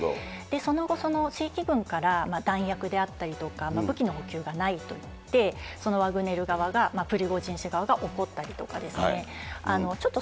その後、その正規軍から弾薬であったりとか、武器の補給がないといって、ワグネル側がプリゴジン氏側が怒ったりとかですね、ちょっと、